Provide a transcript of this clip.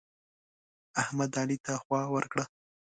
احمد؛ علي ته خوا ورکړه.